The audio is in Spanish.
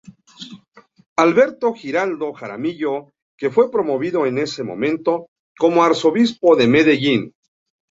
Alberto Giraldo Jaramillo que fue promovido en ese momento como Arzobispo de Medellín.